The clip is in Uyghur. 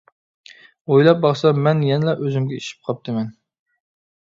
ئويلاپ باقسام، مەن يەنىلا ئۆزۈمگە ئېشىپ قاپتىمەن.